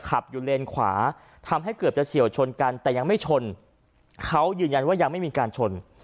ขับอยู่เลนขวาทำให้เกือบจะเฉียวชนกันแต่ยังไม่ชนเขายืนยันว่ายังไม่มีการชน